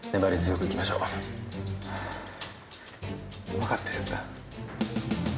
分かってる。